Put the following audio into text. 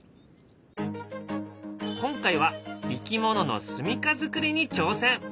今回はいきもののすみかづくりに挑戦。